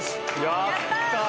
・やった！